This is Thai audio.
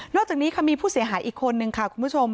อกจากนี้ค่ะมีผู้เสียหายอีกคนนึงค่ะคุณผู้ชม